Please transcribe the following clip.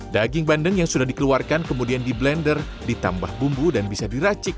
daging bandeng yang sudah dikeluarkan kemudian di blender ditambah bumbu dan bisa diracik